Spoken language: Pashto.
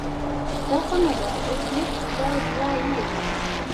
دا سمه ده ایس میکس په ویاړ وویل